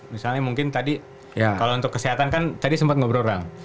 misalnya mungkin tadi kalau untuk kesehatan kan tadi sempat ngobrol orang